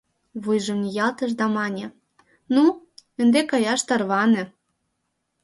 — Вуйжым ниялтыш да мане: «Ну, ынде каяш тарване».